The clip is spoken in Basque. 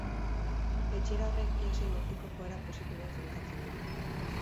Jaitsiera horrek ia sei urteko joera positiboa finkatzen du.